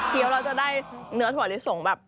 เราจะได้เนื้อถั่วลิสงแบบ